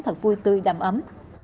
thật vui tươi đầm ấm